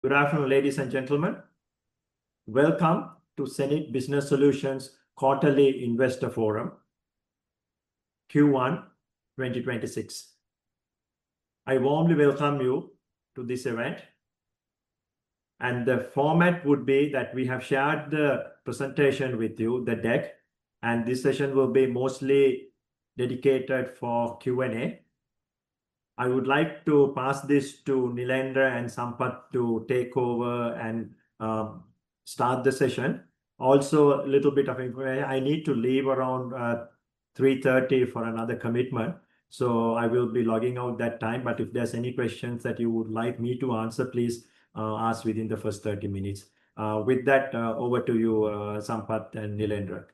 Good afternoon, ladies and gentlemen. Welcome to hSenid Business Solutions' Quarterly Investor Forum Q1 2026. I warmly welcome you to this event. The format would be that we have shared the presentation with you, the deck, and this session will be mostly dedicated for Q&A. I would like to pass this to Nilendra and Sampath to take over and start the session. Also, a little bit of info. I need to leave around 3:30 P.M. for another commitment. I will be logging out at that time. If there's any questions that you would like me to answer, please ask within the first 30 minutes. With that, over to you, Sampath and Nilendra.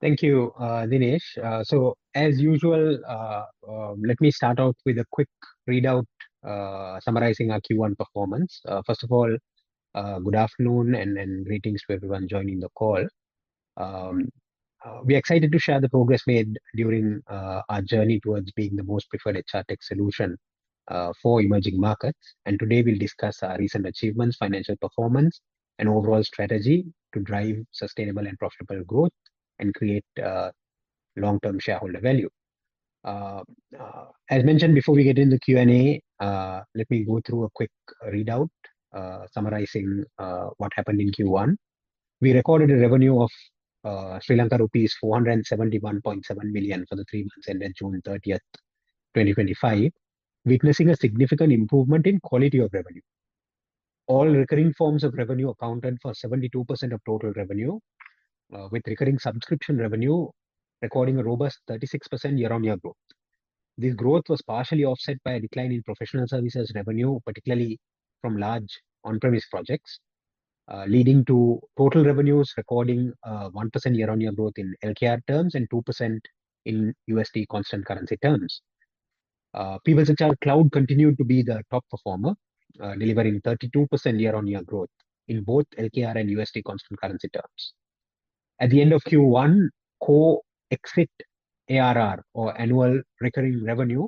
Thank you, Dinesh. As usual, let me start off with a quick readout, summarizing our Q1 performance. First of all, good afternoon and greetings to everyone joining the call. We're excited to share the progress made during our journey towards being the most preferred HR tech solution for emerging markets. Today we'll discuss our recent achievements, financial performance, and overall strategy to drive sustainable and profitable growth and create long-term shareholder value. As mentioned before we get into the Q&A, let me go through a quick readout, summarizing what happened in Q1. We recorded a revenue of LKR 471.7 billion for the three months ending June 30th, 2025, witnessing a significant improvement in quality of revenue. All recurring forms of revenue accounted for 72% of total revenue, with recurring subscription revenue recording a robust 36% year-on-year growth. This growth was partially offset by a decline in professional services revenue, particularly from large on-premise projects, leading to total revenues recording a 1% year-on-year growth in LKR terms and 2% in USD constant currency terms. PivotHR Cloud continued to be the top performer, delivering 32% year-on-year growth in both LKR and USD constant currency terms. At the end of Q1, co-exit ARR or annual recurring revenue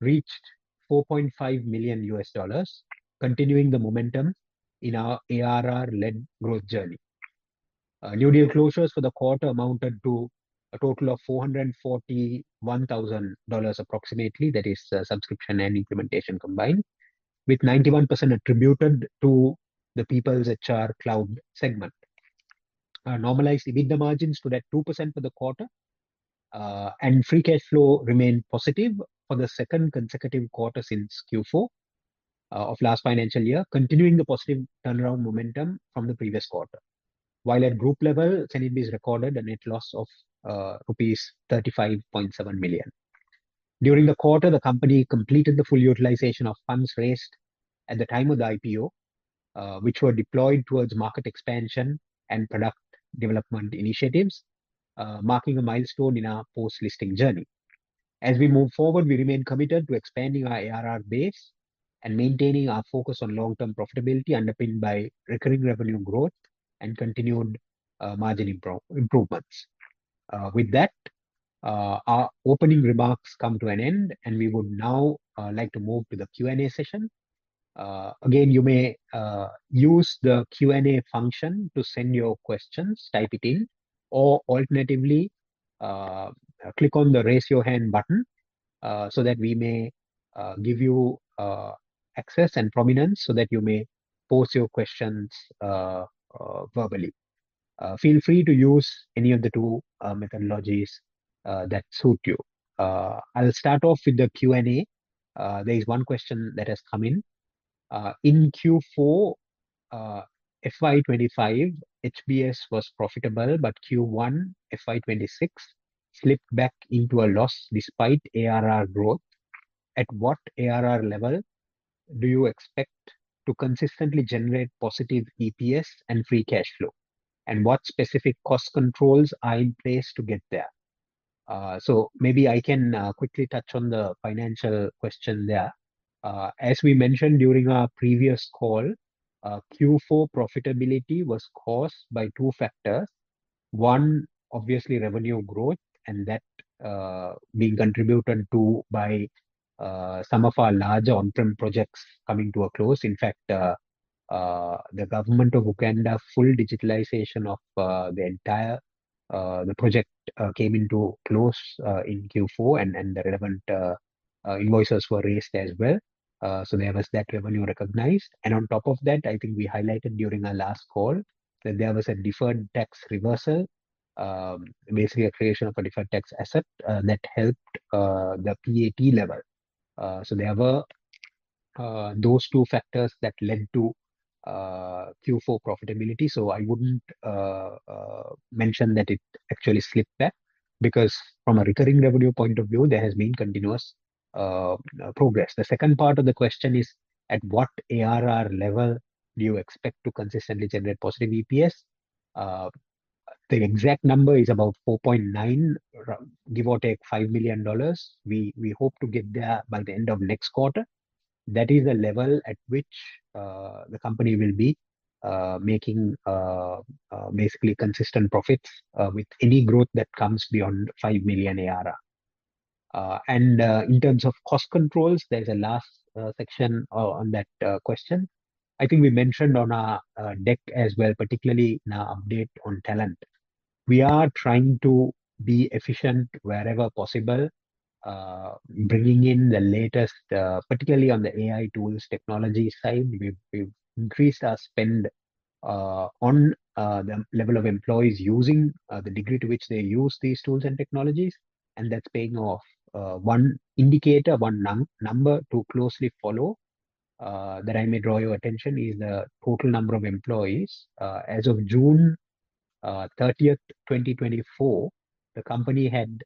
reached $4.5 million, continuing the momentum in our ARR-led growth journey. New deal closures for the quarter amounted to a total of $441,000 approximately. That is subscription and implementation combined, with 91% attributed to the PivotHR Cloud segment. Our normalized EBITDA margins stood at 2% for the quarter, and free cash flow remained positive for the second consecutive quarter since Q4 of last financial year, continuing the positive turnaround momentum from the previous quarter. While at group level, hSenidBiz recorded a net loss of LKR 35.7 million. During the quarter, the company completed the full utilization of funds raised at the time of the IPO, which were deployed towards market expansion and product development initiatives, marking a milestone in our post-listing journey. As we move forward, we remain committed to expanding our ARR base and maintaining our focus on long-term profitability underpinned by recurring revenue growth and continued margin improvements. With that, our opening remarks come to an end, and we would now like to move to the Q&A session. Again, you may use the Q&A function to send your questions, type it in, or alternatively, click on the raise your hand button so that we may give you access and prominence so that you may post your questions verbally. Feel free to use any of the two methodologies that suit you. I'll start off with the Q&A. There is one question that has come in. In Q4, FY2025, HBS was profitable, but Q1, FY2026, slipped back into a loss despite ARR growth. At what ARR level do you expect to consistently generate positive EPS and free cash flow, and what specific cost controls are in place to get there? Maybe I can quickly touch on the financial question there. As we mentioned during our previous call, Q4 profitability was caused by two factors. One, obviously, revenue growth, and that being contributed to by some of our larger on-prem projects coming to a close. In fact, the government of Uganda, full digitalization of the entire project came into close in Q4, and the relevant invoices were raised as well. There was that revenue recognized. I think we highlighted during our last call that there was a deferred tax reversal, basically a creation of a deferred tax asset that helped the P&L level. There were those two factors that led to Q4 profitability. I wouldn't mention that it actually slipped back because from a recurring revenue point of view, there has been continuous progress. The second part of the question is, at what ARR level do you expect to consistently generate positive EPS? The exact number is about $4.9 million, give or take $5 million. We hope to get there by the end of next quarter. That is the level at which the company will be making basically consistent profits with any growth that comes beyond $5 million ARR. In terms of cost controls, there's a last section on that question. I think we mentioned on our deck as well, particularly in our update on talent. We are trying to be efficient wherever possible, bringing in the latest, particularly on the AI tools technology side. We've increased our spend on the level of employees using the degree to which they use these tools and technologies, and that's paying off. One indicator, one number to closely follow that I may draw your attention is the total number of employees. As of June 30, 2024, the company had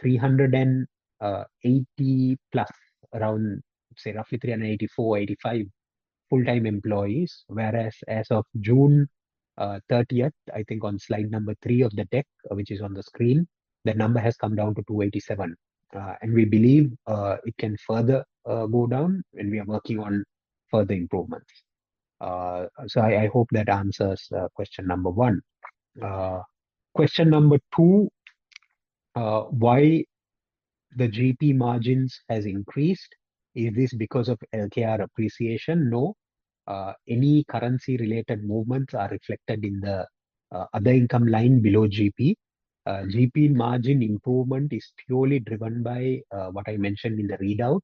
380 plus, around, say, roughly 384, 385 full-time employees, whereas as of June 30, I think on slide number three of the deck, which is on the screen, the number has come down to 287. We believe it can further go down, and we are working on further improvements. I hope that answers question number one. Question number two, why have the GP margins increased? Is this because of LKR appreciation? No. Any currency-related movements are reflected in the other income line below GP. GP margin improvement is purely driven by what I mentioned in the readout,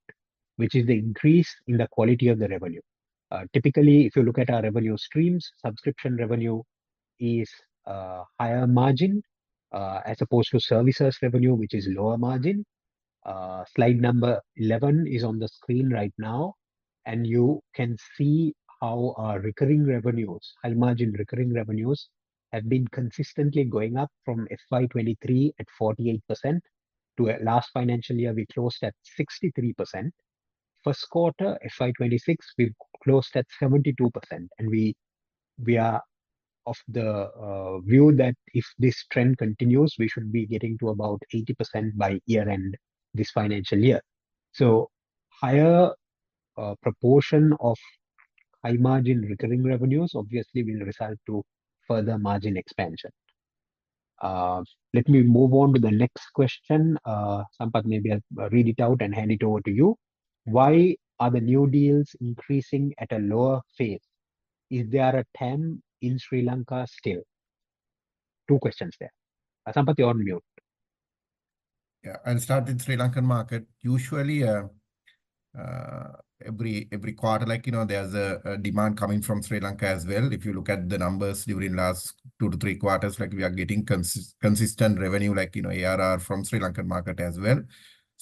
which is the increase in the quality of the revenue. Typically, if you look at our revenue streams, subscription revenue is a higher margin as opposed to services revenue, which is a lower margin. Slide number 11 is on the screen right now, and you can see how our recurring revenues, I'll imagine recurring revenues, have been consistently going up from FY23 at 48% to last financial year we closed at 63%. First quarter, FY26, we closed at 72%, and we are of the view that if this trend continues, we should be getting to about 80% by year end this financial year. A higher proportion of high margin recurring revenues obviously will result in further margin expansion. Let me move on to the next question. Sampath, maybe I'll read it out and hand it over to you. Why are the new deals increasing at a lower pace? Is there a temp in Sri Lanka still? Two questions there. Sampath, you're on mute. Yeah, I'll start in the Sri Lankan market. Usually, every quarter, there's a demand coming from Sri Lanka as well. If you look at the numbers during the last two to three quarters, we are getting consistent revenue, ARR from the Sri Lankan market as well.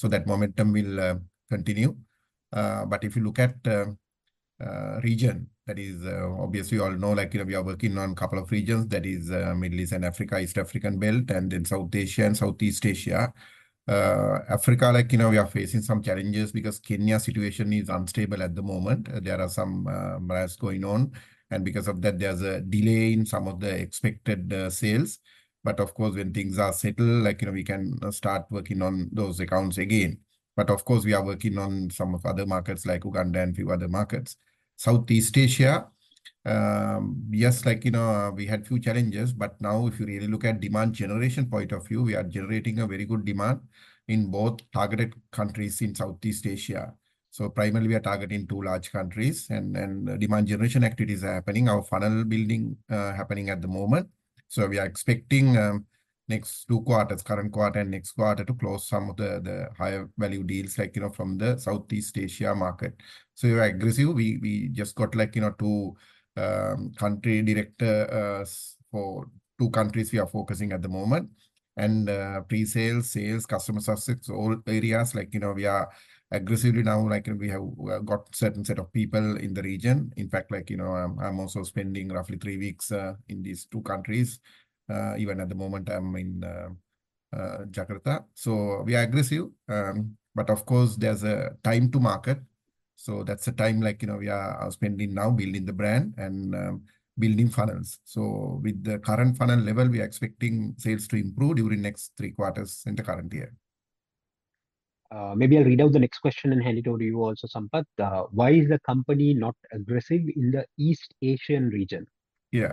That momentum will continue. If you look at the region, we are working on a couple of regions, that is Middle East and Africa, East African Belt, and then South Asia and Southeast Asia. Africa, we are facing some challenges because the Kenya situation is unstable at the moment. There are some riots going on, and because of that, there's a delay in some of the expected sales. Of course, when things are settled, we can start working on those accounts again. We are working on some of the other markets like Uganda and a few other markets. Southeast Asia, yes, we had a few challenges, but now if you really look at the demand generation point of view, we are generating a very good demand in both targeted countries in Southeast Asia. Primarily, we are targeting two large countries, and demand generation activities are happening. Our funnel building is happening at the moment. We are expecting the next two quarters, current quarter and next quarter, to close some of the higher value deals from the Southeast Asia market. We are aggressive. We just got two country directors for two countries we are focusing at the moment. Pre-sales, sales, customer service, all areas, we are aggressively now, we have got a certain set of people in the region. In fact, I'm also spending roughly three weeks in these two countries. Even at the moment, I'm in Jakarta. We are aggressive. Of course, there's a time to market. That's the time we are spending now building the brand and building funnels. With the current funnel level, we are expecting sales to improve during the next three quarters in the current year. Maybe I'll read out the next question and hand it over to you also, Sampath. Why is the company not aggressive in the East Asian region? Yeah,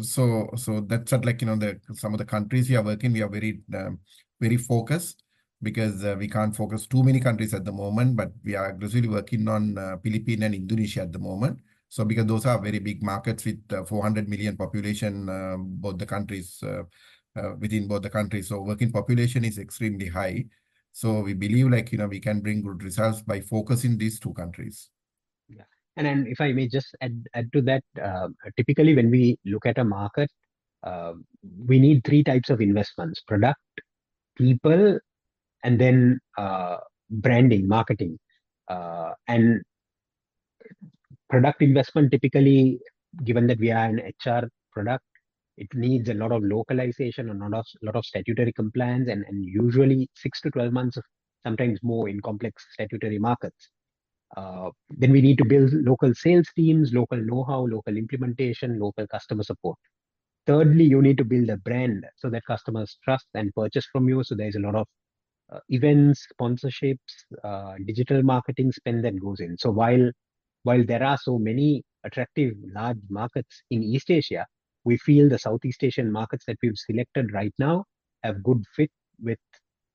so that's at, like, you know, some of the countries we are working. We are very, very focused because we can't focus too many countries at the moment. We are aggressively working on the Philippines and Indonesia at the moment because those are very big markets with 400 million population, both the countries, within both the countries, so working population is extremely high. We believe, like, you know, we can bring good results by focusing on these two countries. Yeah, and then if I may just add to that, typically when we look at a market, we need three types of investments: product, people, and then branding, marketing. Product investment, typically, given that we are an HR product, it needs a lot of localization, a lot of statutory compliance, and usually 6-12 months, sometimes more in complex statutory markets. We need to build local sales teams, local know-how, local implementation, local customer support. Thirdly, you need to build a brand so that customers trust and purchase from you. There's a lot of events, sponsorships, digital marketing spend that goes in. While there are so many attractive large markets in East Asia, we feel the Southeast Asian markets that we've selected right now have a good fit with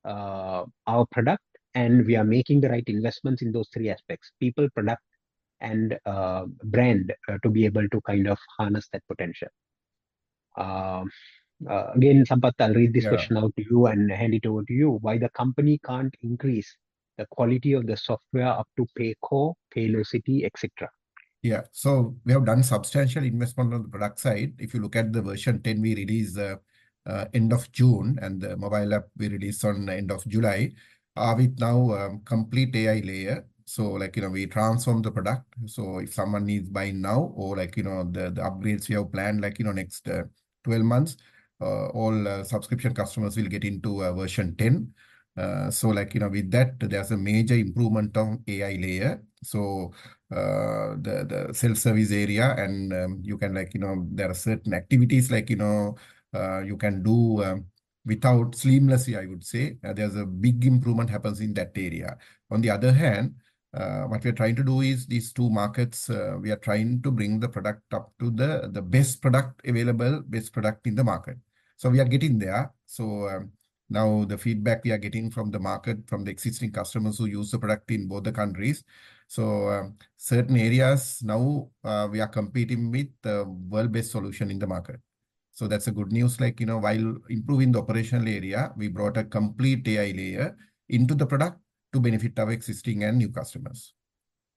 our product, and we are making the right investments in those three aspects: people, product, and brand to be able to kind of harness that potential. Again, Sampath, I'll read this question out to you and hand it over to you. Why the company can't increase the quality of the software up to Payco, Paylocity, et cetera? Yeah, so we have done substantial investment on the product side. If you look at the version 10 we released at the end of June and the mobile app we released at the end of July, with now a complete AI layer. We transformed the product. If someone is buying now or the upgrades we have planned, in the next 12 months, all subscription customers will get into a version 10. With that, there's a major improvement on the AI layer. The self-service area and you can, there are certain activities you can do seamlessly, I would say. There's a big improvement happening in that area. On the other hand, what we're trying to do is these two markets, we are trying to bring the product up to the best product available, best product in the market. We are getting there. The feedback we are getting from the market, from the existing customers who use the product in both the countries, certain areas now we are competing with the world-based solution in the market. That's good news. While improving the operational area, we brought a complete AI layer into the product to benefit our existing and new customers.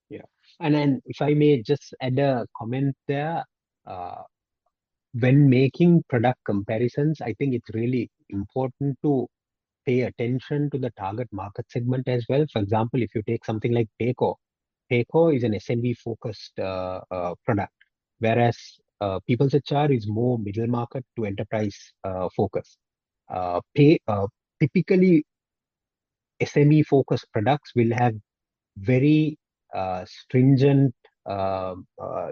Yeah, and then if I may just add a comment there, when making product comparisons, I think it's really important to pay attention to the target market segment as well. For example, if you take something like Payco, Payco is an SME-focused product, whereas PivotHR is more middle market to enterprise focused. Typically, SME-focused products will have very stringent,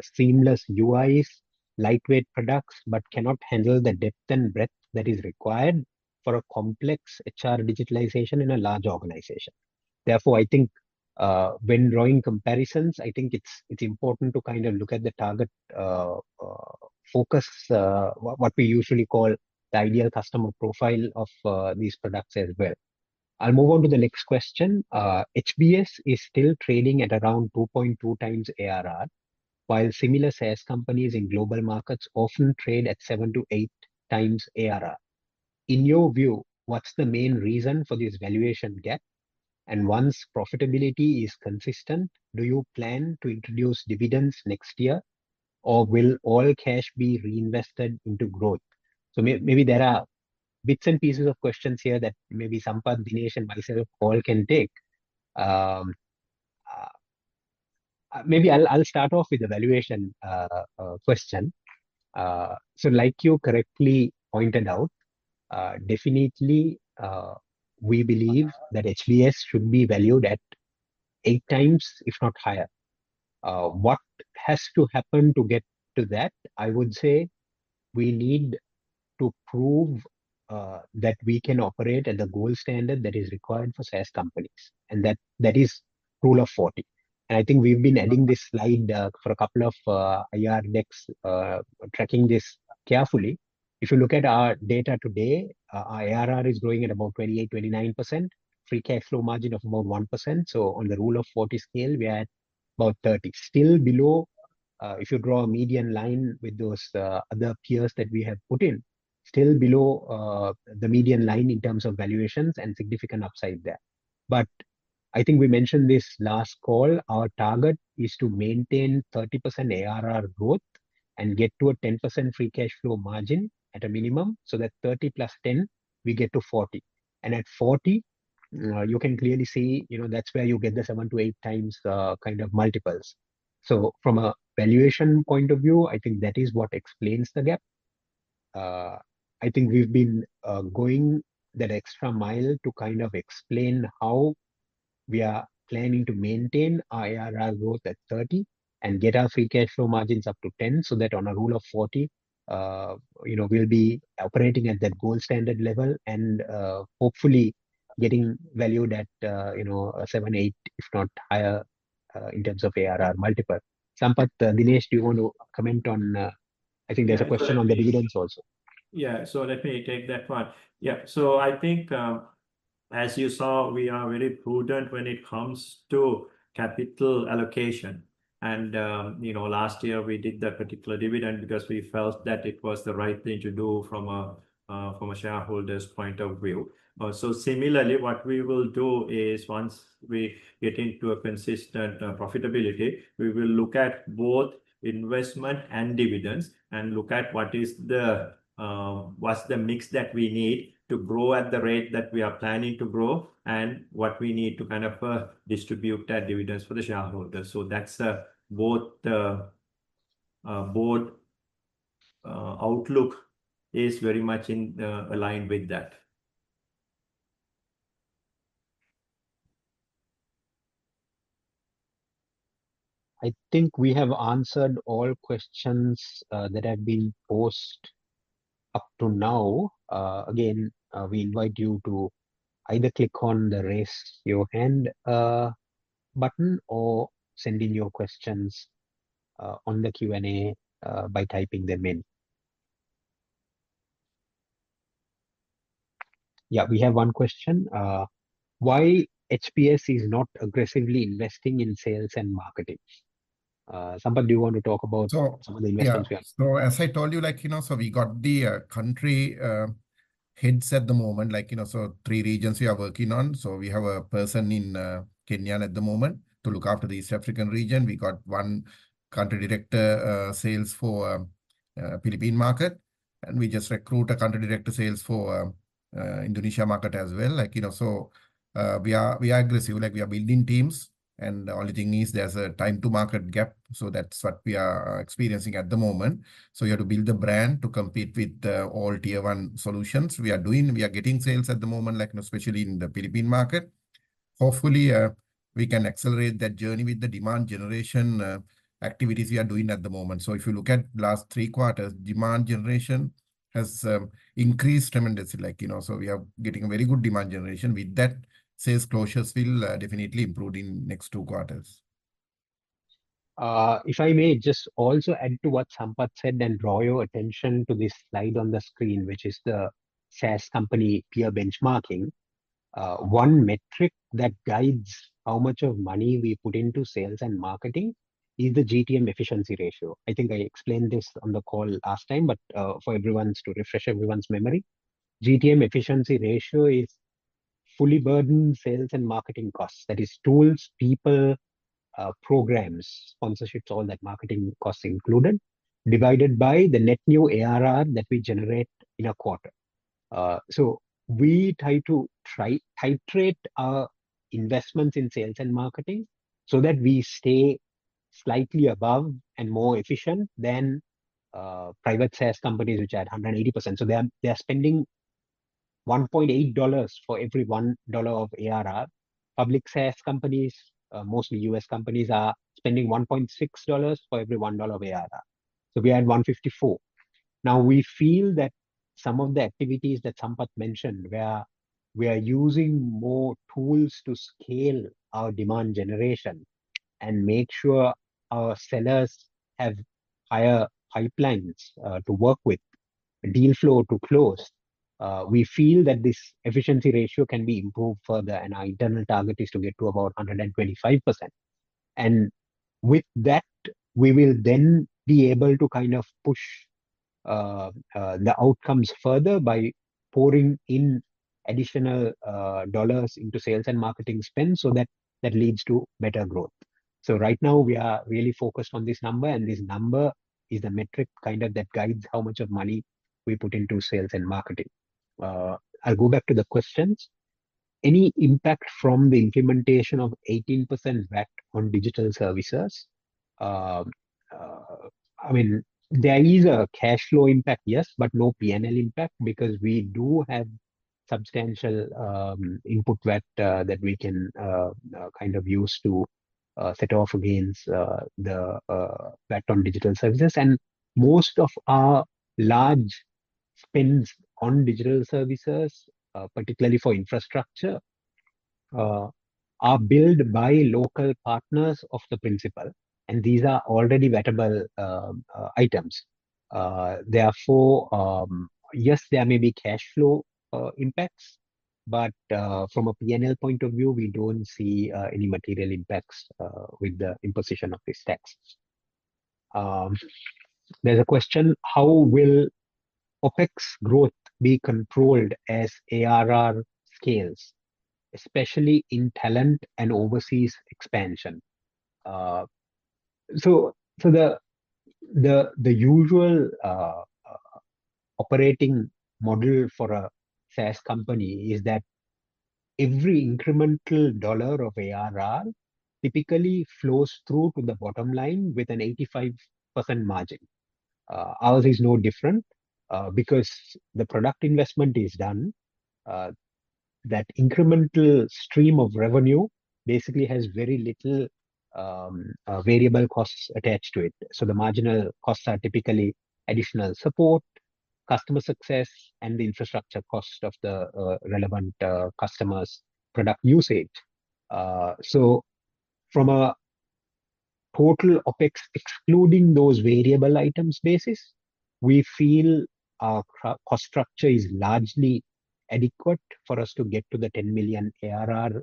seamless UIs, lightweight products, but cannot handle the depth and breadth that is required for a complex HR digitalization in a large organization. Therefore, I think when drawing comparisons, I think it's important to kind of look at the target focus, what we usually call the ideal customer profile of these products as well. I'll move on to the next question. HBS is still trading at around 2.2x ARR, while similar SaaS companies in global markets often trade at 7x-8x ARR. In your view, what's the main reason for this valuation gap? Once profitability is consistent, do you plan to introduce dividends next year, or will all cash be reinvested into growth? There are bits and pieces of questions here that maybe Sampath, Dinesh, and myself all can take. I'll start off with the valuation question. Like you correctly pointed out, definitely we believe that HBS should be valued at 8x, if not higher. What has to happen to get to that? I would say we need to prove that we can operate at the gold standard that is required for SaaS companies, and that is the rule of 40. I think we've been adding this slide for a couple of years next, tracking this carefully. If you look at our data today, our ARR is growing at about 28%, 29%, free cash flow margin of about 1%. On the rule of 40 scale, we are at about 30. Still below, if you draw a median line with those other peers that we have put in, still below the median line in terms of valuations and significant upside there. I think we mentioned this last call, our target is to maintain 30% ARR growth and get to a 10% free cash flow margin at a minimum so that 30 plus 10, we get to 40. At 40, you can clearly see, you know, that's where you get the 7x-8x kind of multiples. From a valuation point of view, I think that is what explains the gap. I think we've been going that extra mile to kind of explain how we are planning to maintain our ARR growth at 30 and get our free cash flow margins up to 10 so that on a rule of 40, you know, we'll be operating at that gold standard level and hopefully getting valued at, you know, 7, 8, if not higher in terms of ARR multiple. Sampath, Dinesh, do you want to comment on, I think there's a question on the dividends also? Yeah, let me take that part. I think, as you saw, we are very prudent when it comes to capital allocation. Last year we did that particular dividend because we felt that it was the right thing to do from a shareholder's point of view. Similarly, what we will do is once we get into a consistent profitability, we will look at both investment and dividends and look at what is the mix that we need to grow at the rate that we are planning to grow and what we need to kind of distribute that dividends for the shareholders. The board outlook is very much aligned with that. I think we have answered all questions that have been post up to now. Again, we invite you to either click on the raise your hand button or send in your questions on the Q&A by typing them in. We have one question. Why is HBS not aggressively investing in sales and marketing? Sampath, do you want to talk about some of the investments we are? Yeah, as I told you, we got the country heads at the moment. Three regions we are working on. We have a person in Kenya at the moment to look after the East African region. We got one Country Director Sales for the Philippine market, and we just recruited a Country Director Sales for the Indonesia market as well. We are aggressive. We are building teams, and the only thing is there's a time-to-market gap. That's what we are experiencing at the moment. We have to build a brand to compete with all tier one solutions we are doing. We are getting sales at the moment, especially in the Philippine market. Hopefully, we can accelerate that journey with the demand generation activities we are doing at the moment. If you look at the last three quarters, demand generation has increased tremendously. We are getting a very good demand generation with that. Sales closures will definitely improve in the next two quarters. If I may just also add to what Sampath said and draw your attention to this slide on the screen, which is the SaaS company peer benchmarking. One metric that guides how much of money we put into sales and marketing is the GTM efficiency ratio. I think I explained this on the call last time, but to refresh everyone's memory, GTM efficiency ratio is fully burdened sales and marketing costs. That is tools, people, programs, sponsorships, all that marketing costs included, divided by the net new ARR that we generate in a quarter. We try to titrate our investments in sales and marketing so that we stay slightly above and more efficient than private SaaS companies, which are at 180%. They are spending $1.8 for every $1 of ARR. Public SaaS companies, mostly U.S. companies, are spending $1.6 for every $1 of ARR. We are at $1.54. We feel that some of the activities that Sampath mentioned, where we are using more tools to scale our demand generation and make sure our sellers have higher pipelines to work with, deal flow to close, can improve this efficiency ratio further, and our internal target is to get to about 125%. With that, we will then be able to push the outcomes further by pouring in additional dollars into sales and marketing spend so that leads to better growth. Right now, we are really focused on this number, and this number is the metric that guides how much of money we put into sales and marketing. I'll go back to the questions. Any impact from the implementation of 18% VAT on digital services? There is a cash flow impact, yes, but no P&L impact because we do have substantial input VAT that we can use to set off against the VAT on digital services. Most of our large spends on digital services, particularly for infrastructure, are billed by local partners of the principal, and these are already VATable items. Therefore, there may be cash flow impacts, but from a P&L point of view, we don't see any material impacts with the imposition of this tax. There's a question. How will OpEx growth be controlled as ARR scales, especially in talent and overseas expansion? The usual operating model for a SaaS company is that every incremental dollar of ARR typically flows through to the bottom line with an 85% margin. Ours is no different because the product investment is done. That incremental stream of revenue basically has very little variable costs attached to it. The marginal costs are typically additional support, customer success, and the infrastructure cost of the relevant customers' product usage. From a total OpEx, excluding those variable items basis, we feel our cost structure is largely adequate for us to get to the $10 million ARR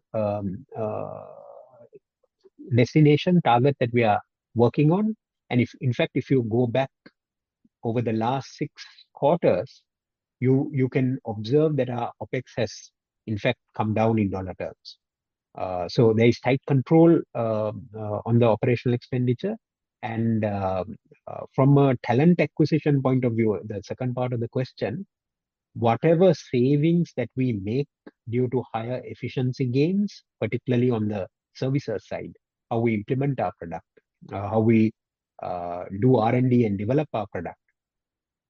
destination target that we are working on. In fact, if you go back over the last six quarters, you can observe that our OpEx has, in fact, come down in dollar terms. There is tight control on the operational expenditure. From a talent acquisition point of view, the second part of the question, whatever savings that we make due to higher efficiency gains, particularly on the services side, how we implement our product, how we do R&D and develop our product,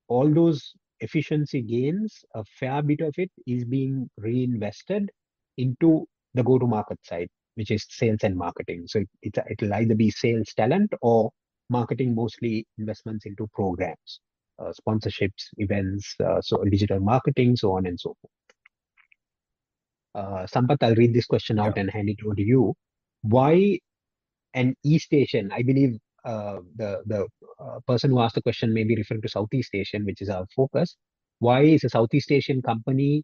all those efficiency gains, a fair bit of it is being reinvested into the go-to-market side, which is sales and marketing. It'll either be sales talent or marketing, mostly investments into programs, sponsorships, events, digital marketing, and so on and so forth. Sampath, I'll read this question out and hand it over to you. Why an East Asian? I believe the person who asked the question may be referring to Southeast Asian, which is our focus. Why should a Southeast Asian company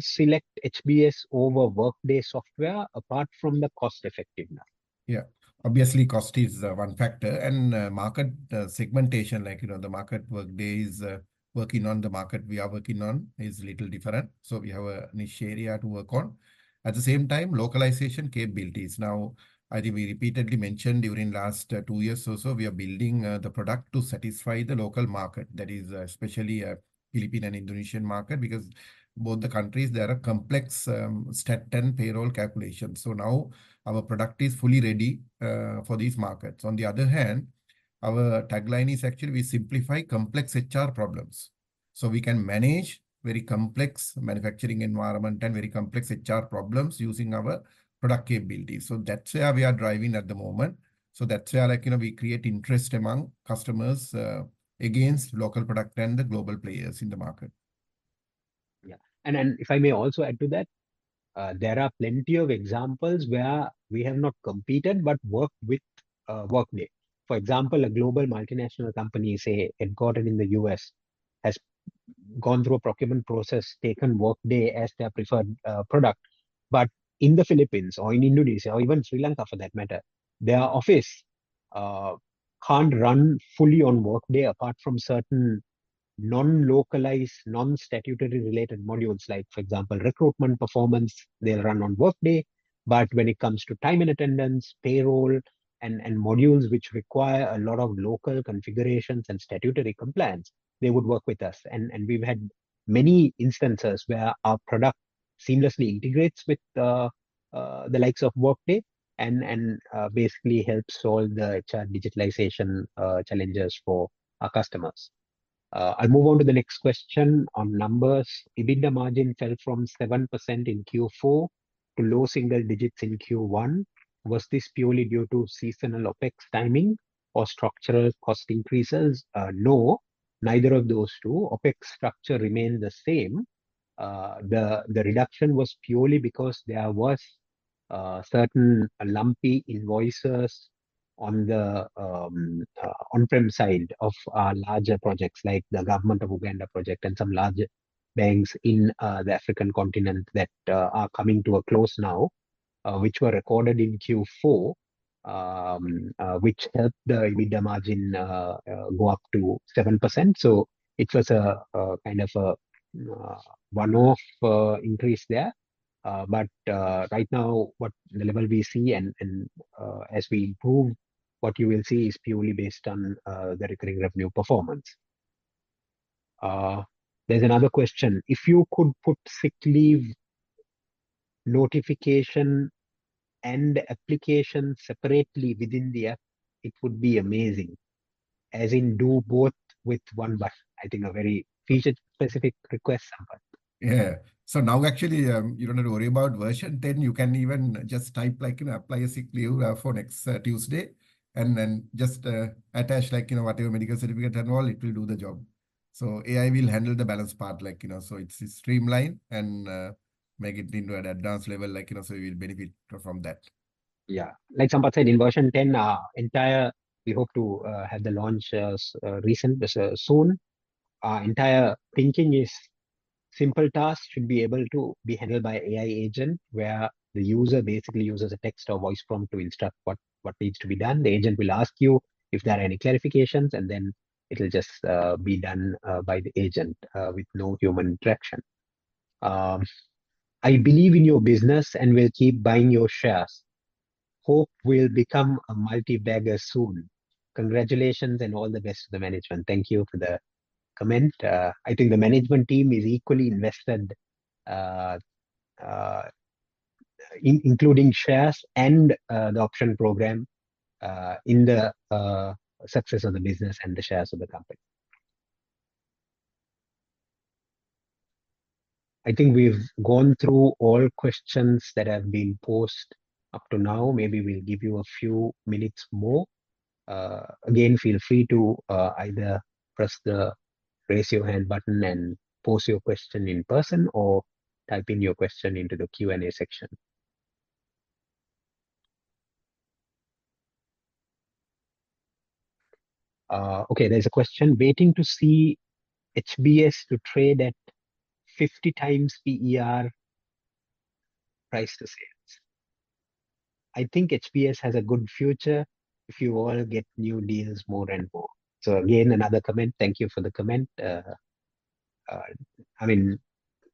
select HBS over Workday software apart from the cost effectiveness? Yeah, obviously, cost is one factor and market segmentation. Like, you know, the market Workday is working on and the market we are working on is a little different. We have a niche area to work on. At the same time, localization capabilities. Now, as we repeatedly mentioned during the last two years or so, we are building the product to satisfy the local market. That is especially the Philippines and Indonesian market because both the countries, there are complex step 10 payroll calculations. Now our product is fully ready for these markets. On the other hand, our tagline is actually we simplify complex HR problems. We can manage very complex manufacturing environment and very complex HR problems using our product capabilities. That's where we are driving at the moment. That's where, like, you know, we create interest among customers against local product and the global players in the market. Yeah, and if I may also add to that, there are plenty of examples where we have not competed but worked with Workday. For example, a global multinational company, say, headquartered in the U.S., has gone through a procurement process, taken Workday as their preferred product. In the Philippines or in Indonesia or even Sri Lanka, for that matter, their office can't run fully on Workday apart from certain non-localized, non-statutory related modules, like, for example, recruitment performance. They'll run on Workday. When it comes to time in attendance, payroll, and modules which require a lot of local configurations and statutory compliance, they would work with us. We've had many instances where our product seamlessly integrates with the likes of Workday and basically helps solve the HR digitalization challenges for our customers. I'll move on to the next question on numbers. EBITDA margin fell from 7% in Q4 to low single digits in Q1. Was this purely due to seasonal OpEx timing or structural cost increases? No, neither of those two. OpEx structure remained the same. The reduction was purely because there were certain lumpy invoices on the on-prem side of larger projects like the government of Uganda project and some large banks in the African continent that are coming to a close now, which were recorded in Q4, which helped the EBITDA margin go up to 7%. It was a kind of a one-off increase there. Right now, what the level we see and as we improve, what you will see is purely based on the recurring revenue performance. There's another question. If you could put sick leave notification and application separately within the app, it would be amazing. As in do both with one button, I think a very feature-specific request. Yeah, so now actually you don't have to worry about PivotHR version 10. You can even just type, like, you know, apply a sick leave for next Tuesday and then just attach, like, you know, whatever medical certificate and all, it will do the job. AI will handle the balance part, like, you know, so it's streamlined and make it into an advanced level, like, you know, so we'll benefit from that. Yeah, like Sampath said, in version 10, we hope to have the launch soon. Our entire thinking is simple tasks should be able to be handled by AI agent where the user basically uses a text or voice prompt to instruct what needs to be done. The agent will ask you if there are any clarifications, and then it'll just be done by the agent with no human interaction. I believe in your business and will keep buying your shares. Hope we'll become a multi-bagger soon. Congratulations and all the best to the management. Thank you for the comment. I think the management team is equally invested, including shares and the option program, in the success of the business and the shares of the company. I think we've gone through all questions that have been post p to now. Maybe we'll give you a few minutes more. Again, feel free to either press the raise your hand button and post your question in person or type in your question into the Q&A section. Okay, there's a question. Waiting to see HBS to trade at 50x PER price to sales. I think HBS has a good future if you all get new deals more and more. Again, another comment. Thank you for the comment. I mean,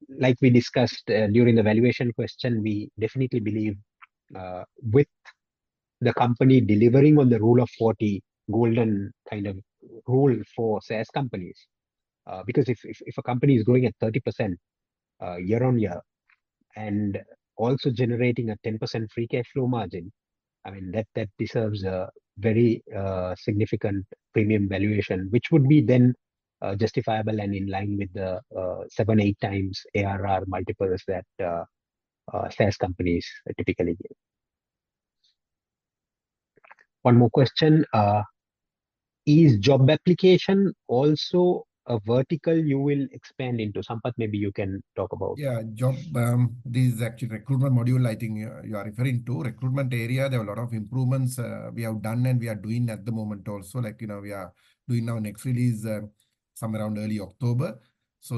like we discussed during the valuation question, we definitely believe with the company delivering on the rule of 40, golden kind of rule for SaaS companies, because if a company is growing at 30% year on year and also generating a 10% free cash flow margin, that deserves a very significant premium valuation, which would be then justifiable and in line with the seven, eight times ARR multiples that SaaS companies typically give. One more question. Is job application also a vertical you will expand into? Sampath, maybe you can talk about. Yeah, this is actually the recruitment module. I think you are referring to the recruitment area. There are a lot of improvements we have done and we are doing at the moment also. Like, you know, we are doing our next release somewhere around early October.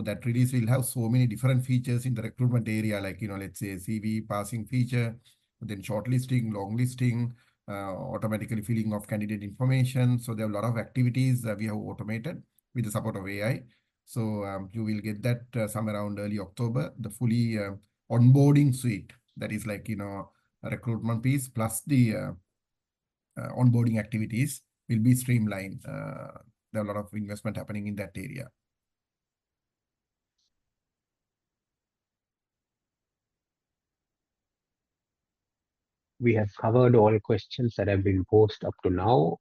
That release will have so many different features in the recruitment area, like, you know, let's say a CV parsing feature, then shortlisting, longlisting, automatically filling of candidate information. There are a lot of activities that we have automated with the support of AI. You will get that somewhere around early October. The fully onboarding suite that is like, you know, a recruitment piece plus the onboarding activities will be streamlined. There are a lot of investments happening in that area. We have covered all the questions that have been posed up to now.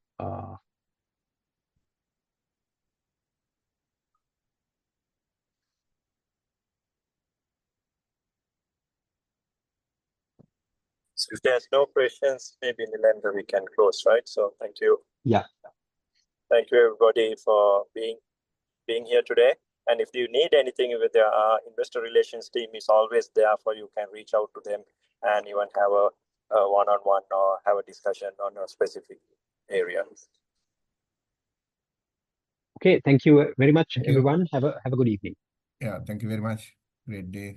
If there's no questions, maybe Nilendra, we can close, right? Thank you. Yeah. Thank you, everybody, for being here today. If you need anything, our investor relations team is always there. You can reach out to them and even have a one-on-one or have a discussion on a specific area. Okay, thank you very much, everyone. Have a good evening. Yeah, thank you very much. Great day.